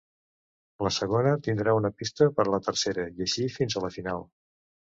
La segona tindrà una pista per a la tercera, i així fins a la final.